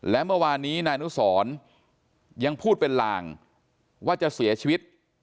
และเมื่อวานนี้นายอนุสรยังพูดเป็นลางว่าจะเสียชีวิต